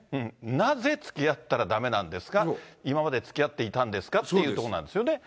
なぜつきあったらだめなんですか、今までつきあっていたんですかというところなんですよね。